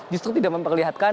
justru tidak memperlihatkan